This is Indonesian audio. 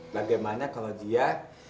bagaimana kalau dia